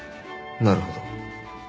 なるほど。